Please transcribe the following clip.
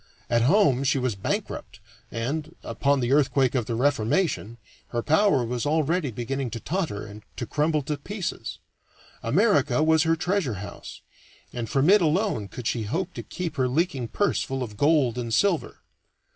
At home she was bankrupt and, upon the earthquake of the Reformation, her power was already beginning to totter and to crumble to pieces. America was her treasure house, and from it alone could she hope to keep her leaking purse full of gold and silver.